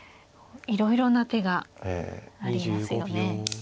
いろいろな手がありますよね。